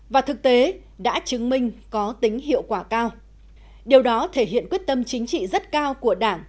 và thực tế đã chứng minh có tính hiệu quả cao điều đó thể hiện quyết tâm chính trị rất cao của đảng